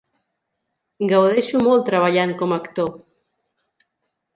Gaudeixo molt treballant com actor.